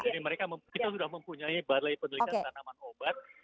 jadi mereka kita sudah mempunyai barang penelitian tanaman obat